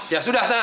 ya sudah sana